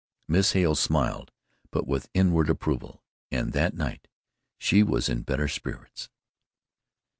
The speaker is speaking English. Miss Hale smiled but with inward approval, and that night she was in better spirits.